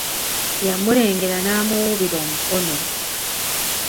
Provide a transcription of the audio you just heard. Yamulengera n'amuwuubira omukono.